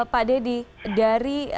pak deddy dari